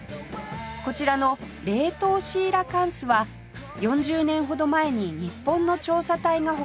こちらの冷凍シーラカンスは４０年ほど前に日本の調査隊が捕獲した個体